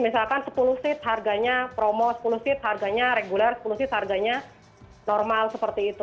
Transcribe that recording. jadi misalkan sepuluh seat harganya promo sepuluh seat harganya regular sepuluh seat harganya normal seperti itu